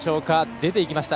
出ていきました。